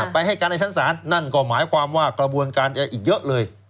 ไปให้การในชั้นศาลนั่นก็หมายความว่ากระบวนการจะอีกเยอะเลย